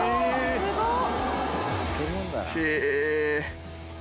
すごっ！